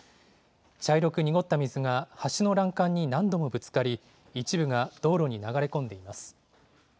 茶色く濁った水が橋の欄干に何度もぶつかり、一部が道路に流れ込んでいます。